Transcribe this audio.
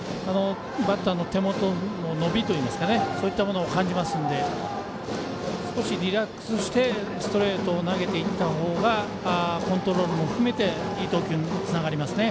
バッターの手元での伸びといいますかそういったものを感じますので少しリラックスしてストレートを投げていった方がコントロールも含めていい投球につながりますね。